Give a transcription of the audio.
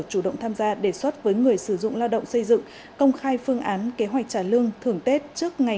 chủ động tham gia đề xuất với người sử dụng lao động xây dựng công khai phương án kế hoạch trả lương thường tết trước ngày